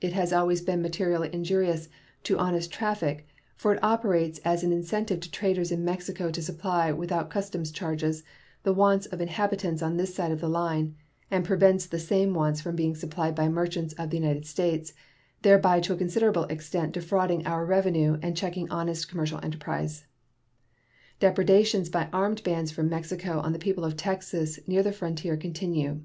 It has always been materially injurious to honest traffic, for it operates as an incentive to traders in Mexico to supply without customs charges the wants of inhabitants on this side of the line, and prevents the same wants from being supplied by merchants of the United States, thereby to a considerable extent defrauding our revenue and checking honest commercial enterprise. Depredations by armed bands from Mexico on the people of Texas near the frontier continue.